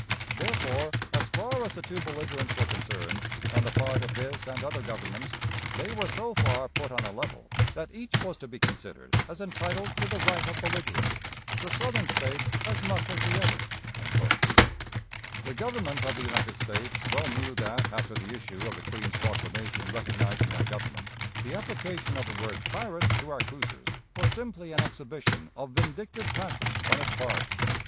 Therefore, as far as the two belligerents were concerned, on the part of this and other governments, they were so far put on a level that each was to be considered as entitled to the right of belligerents the Southern States as much as the other." The Government of the United States well knew that, after the issue of the Queen's proclamation recognizing our Government, the application of the word pirate to our cruisers was simply an exhibition of vindictive passion on its part.